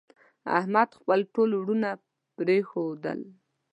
احمد؛ خپل ټول وروڼه پر پښو ودرول.